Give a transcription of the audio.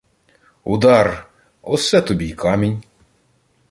— Удар! Осе тобі й камінь.